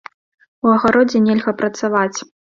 У агародзе нельга працаваць.